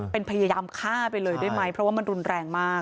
เป็นพยายามฆ่าไปเลยได้ไหมเพราะว่ามันรุนแรงมาก